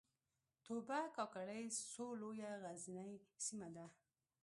توبه کاکړۍ سوه لویه غرنۍ سیمه ده